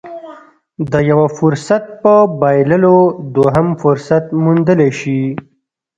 د يوه فرصت په بايللو دوهم فرصت موندلی شي.